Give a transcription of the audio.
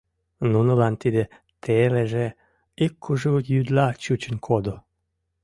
Нунылан тиде телыже ик кужу йӱдла чучын кодо.